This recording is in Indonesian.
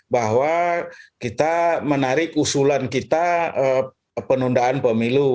bahwa kita menarik usulan kita penundaan pemilu